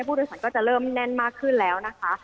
ผู้โดยสารก็จะเริ่มแน่นมากขึ้นแล้วนะคะ